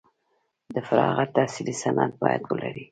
د فراغت تحصیلي سند باید ولري.